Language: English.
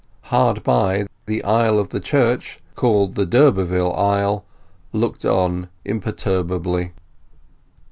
Hard by, the aisle of the church called the d'Urberville Aisle looked on imperturbably.